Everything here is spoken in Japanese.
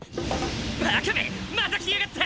バカめまた来やがった！